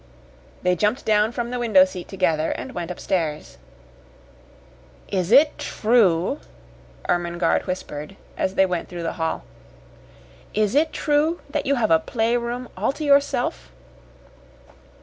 They jumped down from the window seat together, and went upstairs. "Is it true," Ermengarde whispered, as they went through the hall "is it true that you have a playroom all to yourself?"